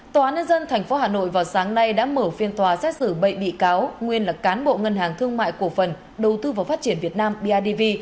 tòa án nhân dân tp hà nội vào sáng nay đã mở phiên tòa xét xử bảy bị cáo nguyên là cán bộ ngân hàng thương mại cổ phần đầu tư và phát triển việt nam bidv